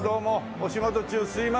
お仕事中すいません。